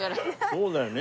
そうだよね。